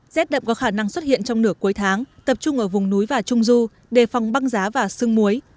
rét đậm có khả năng xuất hiện trong nửa cuối tháng tập trung ở vùng núi và trung du đề phòng băng giá và sương muối